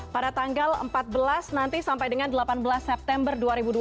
pada tanggal empat belas nanti sampai dengan delapan belas september dua ribu dua puluh